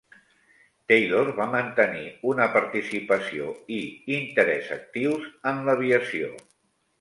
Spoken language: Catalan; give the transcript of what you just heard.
Taylor va mantenir una participació i interès actius en l'aviació.